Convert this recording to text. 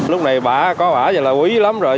lúc này bà có bà là quý lắm rồi